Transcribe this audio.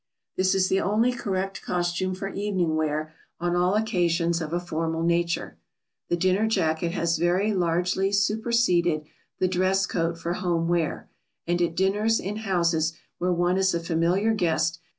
This is the only correct costume for evening wear on all occasions of a formal nature. [Sidenote: The dinner jacket.] The dinner jacket has very largely superseded the dress coat for home wear and at dinners in houses where one is a familiar guest.